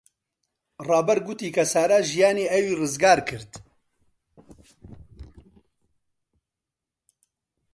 ڕابەر گوتی کە سارا ژیانی ئەوی ڕزگار کرد.